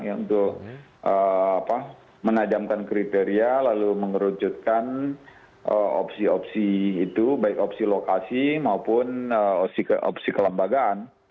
untuk menajamkan kriteria lalu mengerucutkan opsi opsi itu baik opsi lokasi maupun opsi kelembagaan